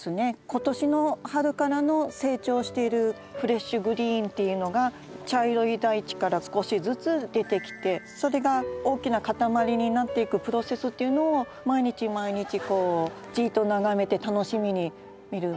今年の春からの成長しているフレッシュグリーンっていうのが茶色い大地から少しずつ出てきてそれが大きな塊になっていくプロセスっていうのを毎日毎日こうじっと眺めて楽しみに見る。